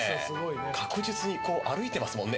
確実に歩いていますもんね。